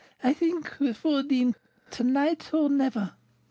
"I think with fourline, to night or never."